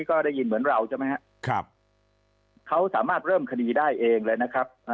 ก็ได้ยินเหมือนเราใช่ไหมครับเขาสามารถเริ่มคดีได้เองเลยนะครับ